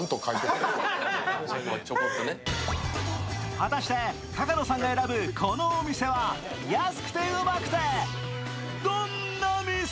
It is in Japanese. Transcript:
果たして、高野さんが選ぶ安くてウマくてどんな店？